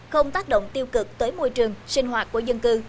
không tác động tiêu cực tới môi trường sinh hoạt của dân cư